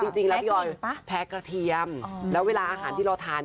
จริงแล้วพี่ออยแพ้กระเทียมแล้วเวลาอาหารที่เราทาน